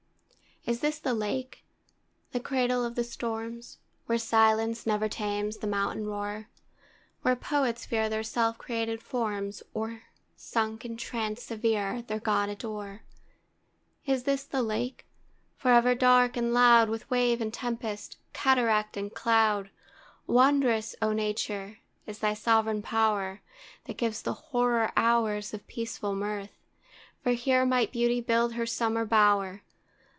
Is this the Lake, the cradle of the storms, Where silence never tames the mountain roar, Where poets fear their self created forms, Or, sunk in trance severe, their God adore? Is this the Lake, for ever dark and loud With wave and tempest, cataract and cloud? Wondrous, O Nature! is thy sovereign power, That gives to horror hours of peaceful mirth: For here might beauty build her summer bower!